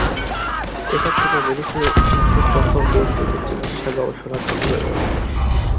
এটা ছিল মেডিসিনের ইতিহাসে প্রথম নিয়ন্ত্রিত চিকিৎসা গবেষণা প্রতিবেদন।